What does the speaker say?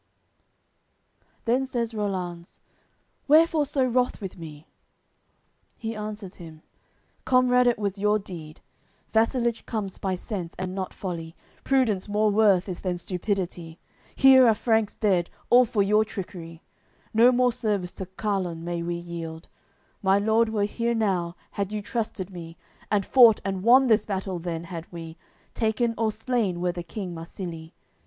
AOI. CXXXI Then says Rollanz: "Wherefore so wroth with me?" He answers him: "Comrade, it was your deed: Vassalage comes by sense, and not folly; Prudence more worth is than stupidity. Here are Franks dead, all for your trickery; No more service to Carlun may we yield. My lord were here now, had you trusted me, And fought and won this battle then had we, Taken or slain were the king Marsilie.